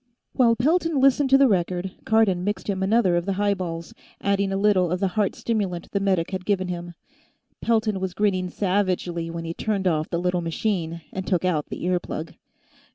While Pelton listened to the record, Cardon mixed him another of the highballs, adding a little of the heart stimulant the medic had given him. Pelton was grinning savagely when he turned off the little machine and took out the ear plug.